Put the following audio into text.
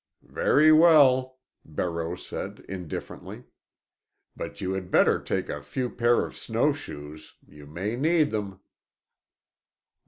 "Very well," Barreau said indifferently. "But you had better take a few pair of snowshoes. You may need them."